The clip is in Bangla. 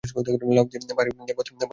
লাউ দিয়ে বাহারি সব পদ তৈরি করা যায়।